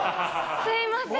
すみません。